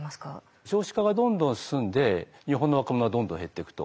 少子化がどんどん進んで日本の若者はどんどん減っていくと。